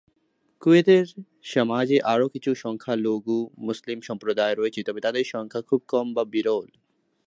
কুয়েতের সমাজে আরও কিছু সংখ্যালঘু মুসলিম সম্প্রদায় রয়েছে, তবে তাদের সংখ্যা খুব কম বা বিরল।